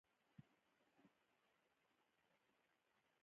بېنډۍ د غاړې درد ته ښه ده